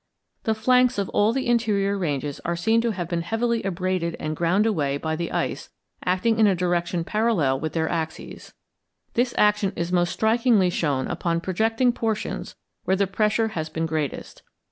The flanks of all the interior ranges are seen to have been heavily abraded and ground away by the ice acting in a direction parallel with their axes. This action is most strikingly shown upon projecting portions where the pressure has been greatest.